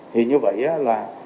thì như vậy là